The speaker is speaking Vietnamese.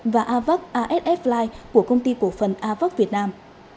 và avac asf li của công ty cổ phần avac việt nam